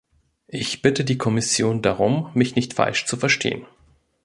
Ich bitte die Kommission darum, mich nicht falsch zu verstehen.